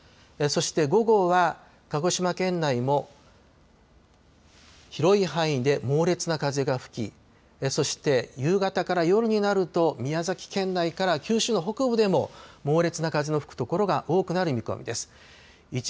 そして午後は鹿児島県内も広い範囲で猛烈な風が吹きそして夕方から夜になると宮崎県内から九州の北部でも猛烈な風の吹く所が多くなる見込みです。